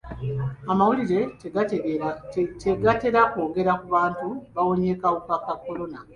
Amawulire tegatera kwogera ku bantu bawonye kawuka ka kolona.